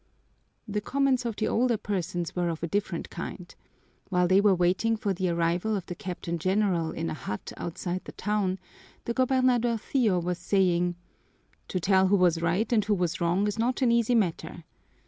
The comments of the older persons were of a different kind. While they were waiting for the arrival of the Captain General in a hut outside the town, the gobernadorcillo was saying, "To tell who was right and who was wrong, is not an easy matter.